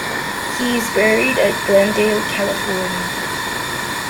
He is buried at Glendale, California.